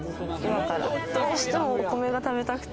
どうしてもお米が食べたくて。